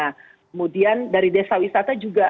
kemudian dari desa wisata juga